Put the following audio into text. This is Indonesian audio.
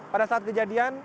pada saat kejadian